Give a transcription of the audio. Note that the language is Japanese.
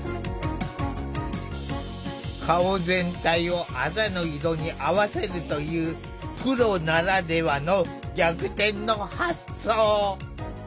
顔全体をあざの色に合わせるというプロならではの逆転の発想。